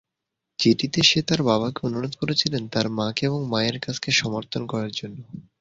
চিঠিতে সে তার বাবাকে অনুরোধ করেছিল তার মাকে এবং মায়ের কাজকে সমর্থন করার জন্য।